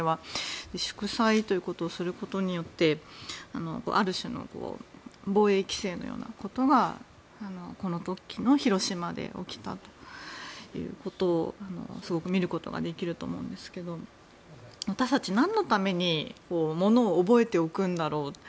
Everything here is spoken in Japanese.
祝祭ということをすることによってある種の防御性のようなことがこの時の広島で起きたということをすごく見ることができると思うんですけど私たち、何のためにものを覚えておくんだろう。